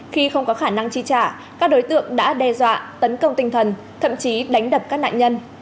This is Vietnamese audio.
khi không có khả năng chi trả các đối tượng đã đe dọa tấn công tinh thần thậm chí đánh đập các nạn nhân